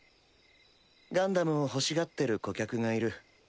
ガンダムを欲しがってる顧客がいる。